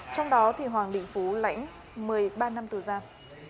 trong đó thì hoàng đình phú lãnh một mươi ba năm tù giam